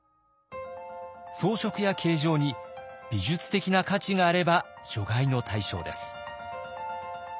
装飾や形状に美術的な価値があれば除外の対象です。